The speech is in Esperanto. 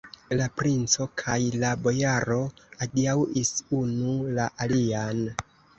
La princo kaj la bojaro adiaŭis unu la alian.